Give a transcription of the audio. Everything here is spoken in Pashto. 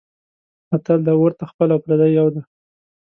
متل دی: اور ته خپل او پردی یو دی.